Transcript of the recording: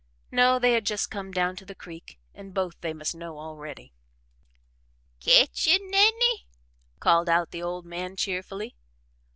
No, they had just come down to the creek and both they must know already. "Ketching any?" called out the old man, cheerily.